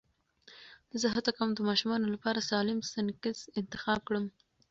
زه هڅه کوم د ماشومانو لپاره سالم سنکس انتخاب کړم.